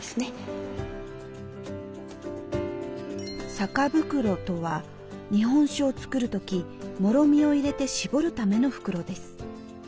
酒袋とは日本酒を造る時もろみを入れて絞るための袋です。